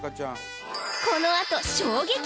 このあと衝撃！